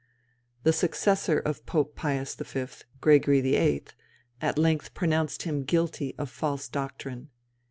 The successor of Pope Pius V., Gregory XIII., at length pronounced him guilty of false doctrine.